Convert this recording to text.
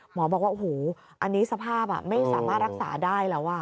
หมอบอกว่าโอ้โหอันนี้สภาพไม่สามารถรักษาได้แล้ว